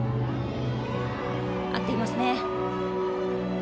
合っていますね。